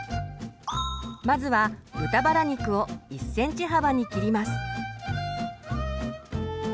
まずは豚バラ肉を１ｃｍ幅に切ります。